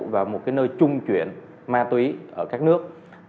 và một nơi trung chuyển ma túy ở các nước